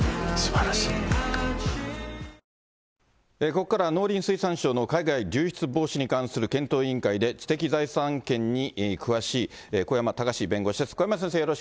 ここからは農林水産省の海外流出防止に関する検討委員会で、知的財産権に詳しい小山隆史弁護士です。